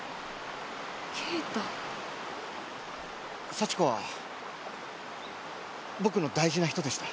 幸子は僕の大事な人でした。